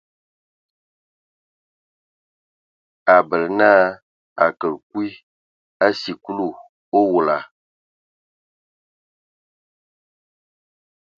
A bələ na a kələ kui a sikulu owola.